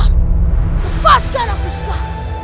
lepaskan aku sekarang